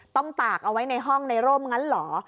ตากเอาไว้ในห้องในร่มงั้นเหรอ